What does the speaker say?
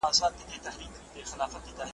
کوم دين ښځو ته خورا ښه حقوق ورکړي دي؟